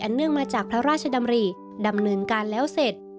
เนื่องมาจากพระราชดำริดำเนินการแล้วเสร็จ